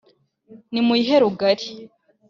nimuyihe rugari